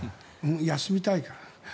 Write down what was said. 休みたいから。